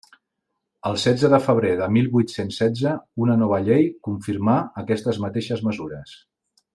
El setze de febrer de mil vuit-cents setze, una nova llei confirmà aquestes mateixes mesures.